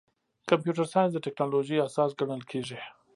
کمپیوټر ساینس د ټکنالوژۍ اساس ګڼل کېږي.